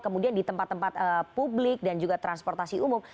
kemudian di tempat tempat publik dan juga transportasi umum